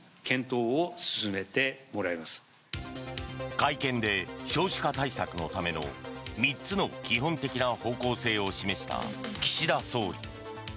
会見で少子化対策のための３つの基本的な方向性を示した岸田総理。